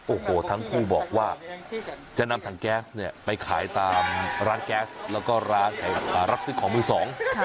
โอ้โหทั้งคู่บอกว่าจะนำถังแก๊สเนี่ยไปขายตามร้านแก๊สแล้วก็ร้านรับซื้อของมือสอง